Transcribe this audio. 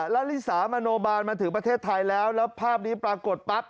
แล้วลิสามโนบาลมาถึงประเทศไทยแล้วแล้วภาพนี้ปรากฏปั๊บ